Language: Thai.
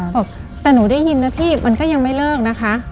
บอกแต่หนูได้ยินนะพี่มันก็ยังไม่เลิกนะคะ